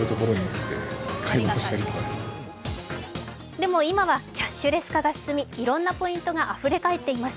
でも、今はキャッシュレス化が進み、いろんなポイントがあふれ返っています。